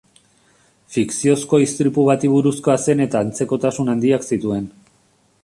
Fikziozko istripu bati buruzkoa zen eta antzekotasun handiak zituen.